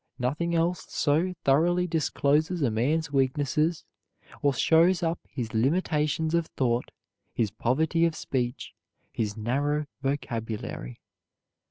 Nothing else so thoroughly discloses a man's weaknesses or shows up his limitations of thought, his poverty of speech, his narrow vocabulary.